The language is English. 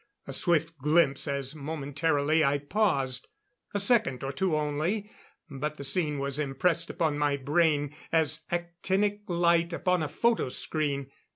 A swift glimpse as momentarily I paused; a second or two only, but the scene was impressed upon my brain as actinic light upon a photo screen.